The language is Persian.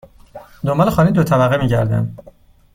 دنبال خانه دو طبقه می گردم.